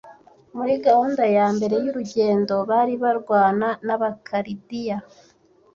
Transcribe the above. Muri gahunda yambere yurugendo bari barwana nabakaridiya